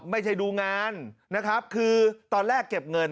ดูงานนะครับคือตอนแรกเก็บเงิน